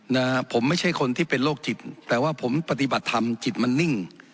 นะฮะผมไม่ใช่คนที่เป็นโรคจิตแต่ว่าผมปฏิบัติธรรมจิตมันนิ่ง